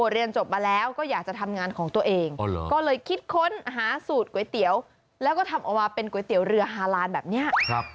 เรียนจบมาแล้วก็อยากจะทำงานของตัวเองก็เลยคิดค้นหาสูตรก๋วยเตี๋ยวแล้วก็ทำออกมาเป็นก๋วยเตี๋ยวเรือฮาลานแบบนี้